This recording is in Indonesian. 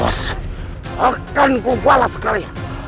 bos akan kubalas sekali